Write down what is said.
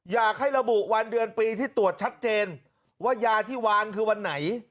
อยากให้ระบุวันเดือนปีที่ตรวจชัดเจนว่ายาที่วางคือวันไหน